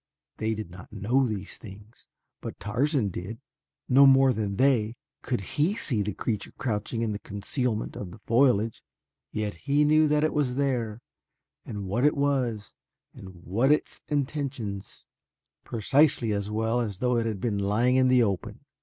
They did not know these things, but Tarzan did. No more than they could he see the creature crouching in the concealment of the foliage, yet he knew that it was there and what it was and what its intentions, precisely as well as though it had been lying in the open.